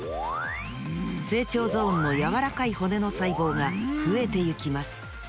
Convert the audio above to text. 成長ゾーンのやわらかい骨のさいぼうがふえていきます。